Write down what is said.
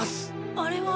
あれは。